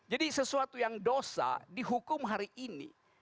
jadi sesuatu yang dosa dihukum hari ini